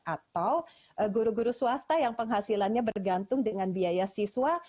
atau guru guru swasta yang penghasilannya bergantung dengan biaya siswa